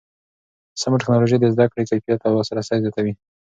سمه ټکنالوژي د زده کړې کیفیت او لاسرسی زیاتوي.